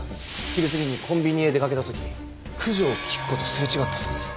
昼過ぎにコンビニへ出かけた時九条菊子とすれ違ったそうです。